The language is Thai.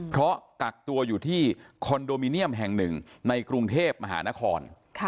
เพราะกักตัวอยู่ที่คอนโดมิเนียมแห่งหนึ่งในกรุงเทพมหานคร